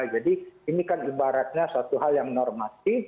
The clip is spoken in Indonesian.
jadi ini kan ibaratnya suatu hal yang normatif